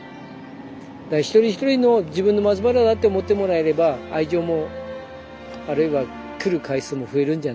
一人一人の自分の松原だって思ってもらえれば愛情もあるいは来る回数も増えるんじゃないかな。